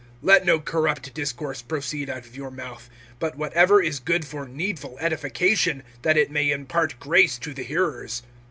(29)Let no corrupt discourse proceed out of your mouth, but whatever is good for needful edification, that it may impart grace to the hearers.